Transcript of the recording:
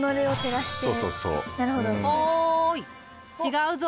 おい違うぞ。